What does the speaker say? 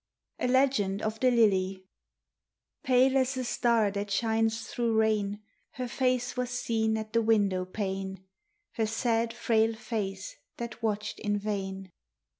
A LEGEND OF THE LILY Pale as a star that shines through rain Her face was seen at the window pane, Her sad, frail face that watched in vain.